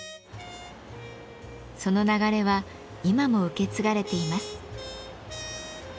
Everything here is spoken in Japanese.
その流れは今も受け継がれています。